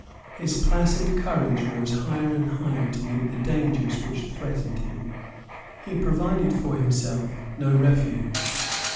His placid courage rose higher and higher to meet the dangers which threatened him. He provided for himself no refuge.